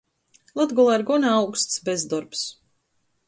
Latgolā ir gona augsts bezdorbs.